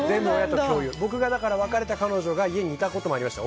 僕が別れた彼女が家にいたこともありました。